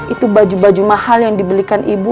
itu baju baju mahal yang dibelikan ibu